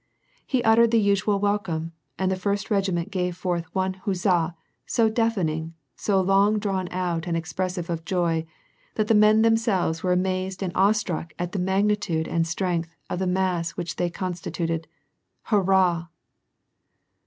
He uttered the usual welcome, and the First Regiment gave forth one huzza so deafening, so long drawn out and expressive of joy, that the men themselves were amazed and awestruck at the magnitude and strength of the mass which they consti tuted :« Hurrah